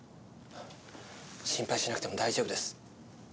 心配しなくても大丈夫です。